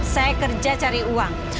saya kerja cari uang